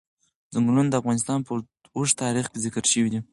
ځنګلونه د افغانستان په اوږده تاریخ کې ذکر شوی دی.